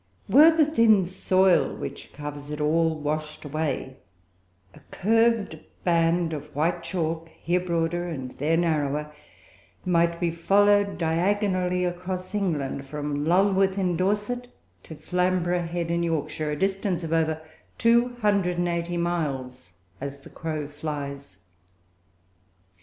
Were the thin soil which covers it all washed away, a curved band of white chalk, here broader, and there narrower, might be followed diagonally across England from Lulworth in Dorset, to Flamborough Head in Yorkshire a distance of over 280 miles as the crow flies.